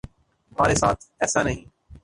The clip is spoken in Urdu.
ہمارے ساتھ ایسا نہیں۔